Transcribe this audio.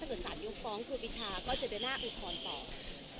ถ้าเกิดสารโยงฟ้องครูปิชาก็จะเดินหน้าอุทธรณ์ต่อ